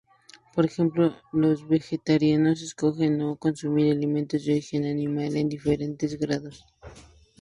Por ejemplo los vegetarianos escogen no consumir alimentos de origen animal en diferentes grados.